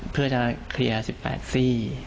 เพื่อจะเคลียร์๑๘ซี่